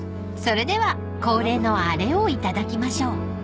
［それでは恒例のあれを頂きましょう］